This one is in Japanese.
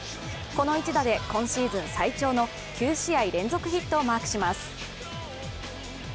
この一打で今シーズン最長の９試合連続ヒットをマークします。